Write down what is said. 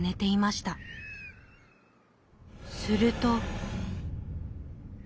すると。